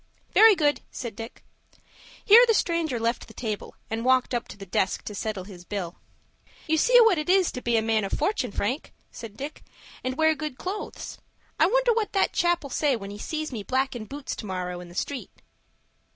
"Very good," said Dick. Here the stranger left the table, and walked up to the desk to settle his bill. "You see what it is to be a man of fortun', Frank," said Dick, "and wear good clothes. I wonder what that chap'll say when he sees me blackin' boots to morrow in the street?"